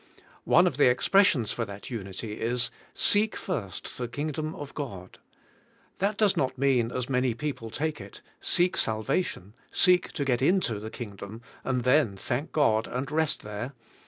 One of the expres sions for that unity is: "Seek first the Kingdom of God," That does not mean, as many people take it, " Seek salvation ; seek to get into the Kingdom, and then thank God, and rest there."